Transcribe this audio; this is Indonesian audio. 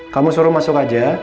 kamu suruh masuk aja